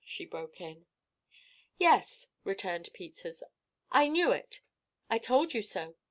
she broke in. "Yes," returned Peters. "I knew it. I told you so.